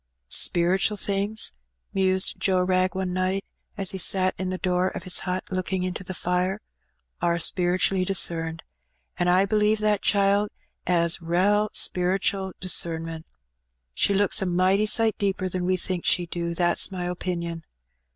''Speretual things," mused Joe Wrag ene night, as he sat in the door of his hut looking into the fire, "are spere tually discerned, an' I b'lieve that child ^as rale speretual discernment: she looks a mighty sight deeper than we thinks she do, that's my opinion.